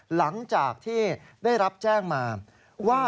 หลังจากที่ได้รับแจ้งมาว่า